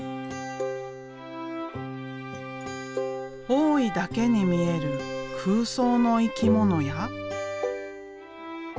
大井だけに見える空想の生き物や。